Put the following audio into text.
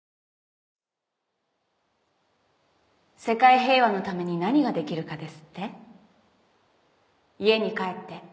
「世界平和のために何ができるかですって？」